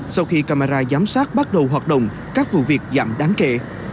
sau khi camera giám sát bắt đầu hoạt động các vụ việc giảm đáng kể